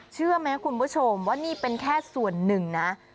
เชื่อไหมคุณผู้ชมว่านี่เป็นแค่ส่วนหนึ่งนะ